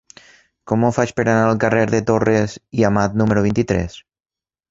Com ho faig per anar al carrer de Torres i Amat número vint-i-tres?